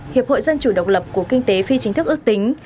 hiệp hội dân chủ độc lập của kinh tế phi chính thức ước tính